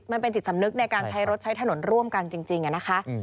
มันเป็นจิตสำนึกในการใช้รถใช้ถนนร่วมกันจริงนะคะ